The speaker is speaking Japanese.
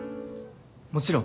もちろん。